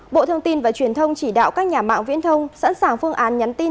bộ thông tin và truyền thông chỉ đạo các nhà mạng viễn thông sẵn sàng phương án nhắn tin